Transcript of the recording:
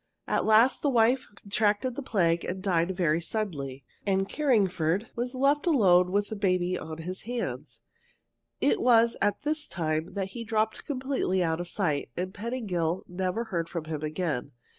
"At last, the wife contracted the plague and died very suddenly, and Carringford was left alone with the baby on his hands. It was at this time that he dropped completely out of sight, and Pettingill never heard from him again.